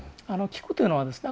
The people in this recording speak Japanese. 聞くというのはですね